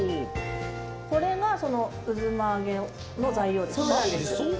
これが、その「うづまあげ」の材料ですか？